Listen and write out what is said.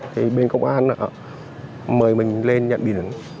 thì công an mời mình lên nhận biển